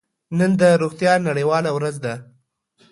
نن د روغتیا نړیواله ورځ ده.